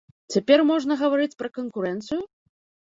Цяпер можна гаварыць пра канкурэнцыю?